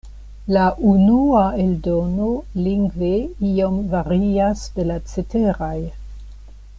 La unua eldono lingve iom varias de la ceteraj.